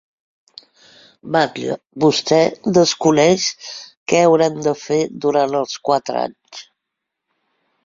Batlle, vostè desconeix què haurem de fer durant els quatre anys.